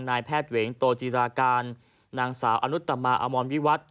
นายแพทย์เหวงโตจีราการนางสาวอนุตมาอมรวิวัตร